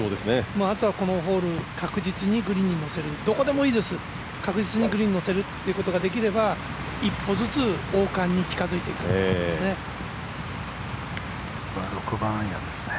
あとはこのホール、確実にグリーンに乗せる、どこでもいいです、確実にグリーンに乗せるっていうことができれば一歩ずつ王冠に近づいてくるってことですね。